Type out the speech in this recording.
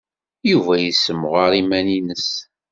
Yuba yessemɣar iman-nnes.